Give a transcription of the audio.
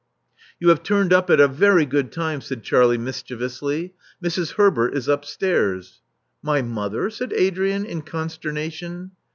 '* You have turned up at a very good time," said Charlie mischievously. Mrs. Herbert is upstairs." '*My mother!" said Adrian, in consternation.